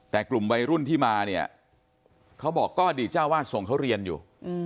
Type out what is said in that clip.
แต่กลุ่มวัยรุ่นที่มาเนี่ยเขาบอกก็อดีตเจ้าวาดส่งเขาเรียนอยู่